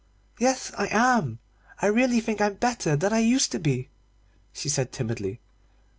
"Yes I am. I think really I'm better than I used to be," she said timidly.